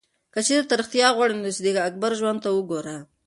که چېرې ته ریښتیا غواړې، نو د صدیق اکبر ژوند ته وګوره.